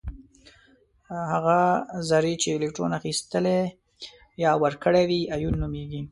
هغه ذرې چې الکترون اخیستلی یا ورکړی وي ایون نومیږي.